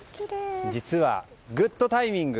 実は、グッドタイミング。